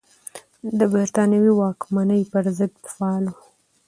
د بریتانوي واکمنۍ پر ضد فعال و.